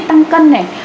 tăng cân này